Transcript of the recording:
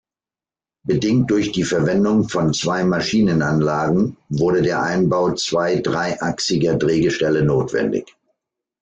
Bedingt durch die Verwendung von zwei Maschinenanlagen wurde der Einbau zwei dreiachsiger Drehgestelle notwendig.